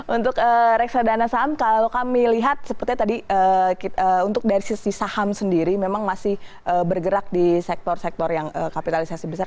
untuk reksadana saham kalau kami lihat sepertinya tadi untuk dari sisi saham sendiri memang masih bergerak di sektor sektor yang kapitalisasi besar